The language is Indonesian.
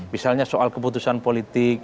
misalnya soal keputusan politik